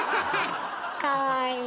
かわいい。